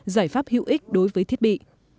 giải pháp hữu ích đối với thiết bị